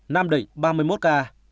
nam định ba mươi một ca